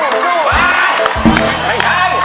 ไม่ใช่